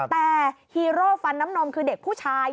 แต่ฮีโร่ฟันน้ำนมคือเด็กผู้ชาย